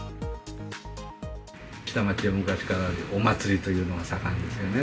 下町は昔からお祭りというのが盛んですよね。